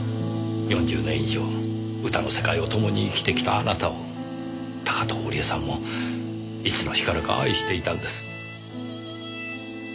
４０年以上歌の世界を共に生きてきたあなたを高塔織絵さんもいつの日からか愛していたんです。